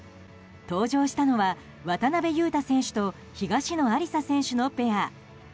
登場したのは渡辺勇大選手と東野有紗選手のペア。